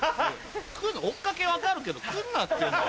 追っかけ分かるけど来るなっていうの。